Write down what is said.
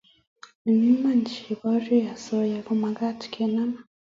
eng' iman che borie asoya komagat kenam